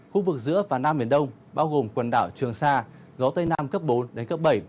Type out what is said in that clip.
khu vực giữa và nam biển đông bao gồm quần đảo trường sa gió tây nam cấp bốn đến cấp bảy